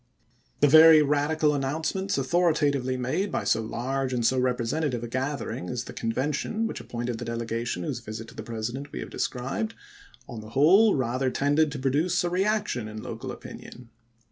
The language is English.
The very radical announcements authoritatively made by so large and so representative a gathering as the Convention which appointed the delegation whose visit to the President we have described, on the whole rather tended to produce a reaction in local opinion.